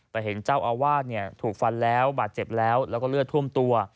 เห็นเจ้าอาวาสถูกฟันแล้วบาดเจ็บแล้วแล้วก็เลือดท่วมตัว